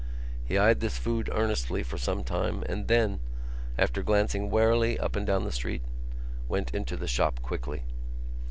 He eyed this food earnestly for some time and then, after glancing warily up and down the street, went into the shop quickly.